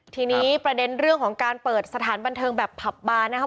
ทีนี้ประเด็นเรื่องของการเปิดสถานบันเทิงแบบผับบานนะครับ